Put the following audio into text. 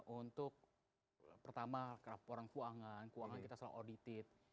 untuk pertama orang keuangan keuangan kita selalu audit